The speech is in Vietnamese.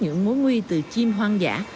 những mối nguy từ chim hoang dã